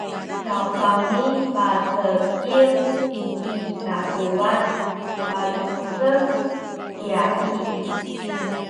sawsawni pacekil i takuwan palucek kya i